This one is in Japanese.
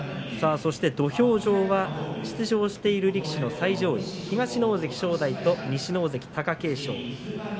そして土俵上は出場している力士の最上位東の大関正代と西の大関貴景勝。